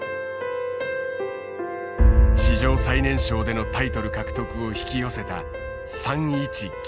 史上最年少でのタイトル獲得を引き寄せた３一銀。